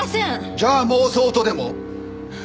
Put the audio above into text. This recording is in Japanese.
じゃあ妄想とでも？